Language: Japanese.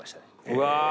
うわ